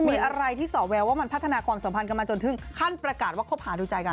มีอะไรที่สอแววว่ามันพัฒนาความสัมพันธ์กันมาจนถึงขั้นประกาศว่าคบหาดูใจกัน